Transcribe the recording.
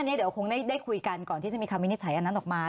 เดี๋ยวคงได้คุยกันก่อนที่จะมีคำวินิจฉัยอันนั้นออกมา